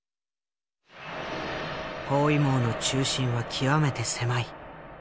包囲網の中心は極めて狭い。